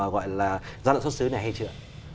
gọi là gian lận xuất xứ này hay chưa